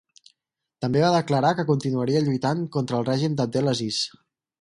També va declarar que continuaria lluitant contra el règim d'Abdel Aziz.